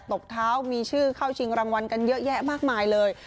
ตบเท้ามีชื่อเข้าชิงรางวัลกันเยอะแยะมากมายเลย